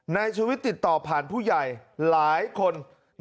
ในชุวิตติดต่อผ่านผู้ใหญ่หลายคน